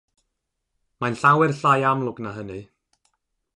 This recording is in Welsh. Mae'n llawer llai amlwg na hynny.